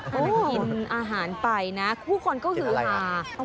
ถ้ากินอาหารไปนะผู้คนก็ฮือฮา